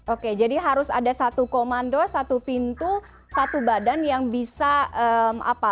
oke jadi harus ada satu komando satu pintu satu badan yang bisa apa